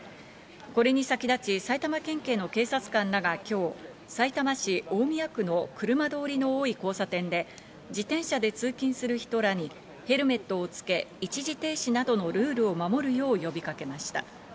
これに先立ち埼玉県警の警察官らが今日、さいたま市大宮区の車通りの多い交差点で、自転車で通勤する人らにヘルメットをつけ、一時停止などのルールを守るよう呼びかけました。